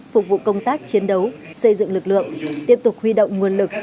phục vụ công tác chiến đấu xây dựng lực lượng tiếp tục huy động nguồn lực